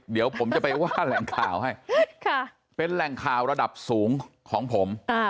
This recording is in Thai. เดี๋ยวผมจะไปว่าแหล่งข่าวให้เป็นแหล่งข่าวระดับสูงของผม